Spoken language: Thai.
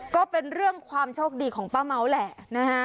ก็เป็นเรื่องความโชคดีของป้าเม้าแหละนะฮะ